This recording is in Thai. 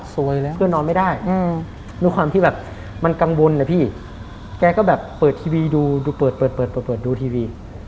สวยแล้วเพื่อนนอนไม่ได้มีความที่แบบมันกังวลนะพี่แก๊ก็แบบเปิดทีวีดูดูเปิดดูทีวี